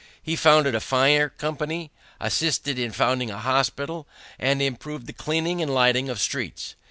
He founded a fire company, assisted in founding a hospital, and improved the cleaning and lighting of streets.